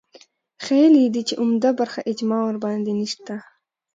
ښييلي دي چې عمده برخه اجماع ورباندې نشته